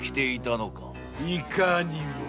いかにも。